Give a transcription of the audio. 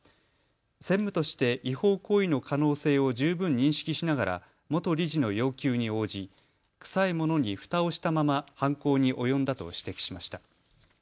専務として違法行為の可能性を十分認識しながら元理事の要求に応じ、臭いものにふたをしたまま犯行に及んだと指摘しました。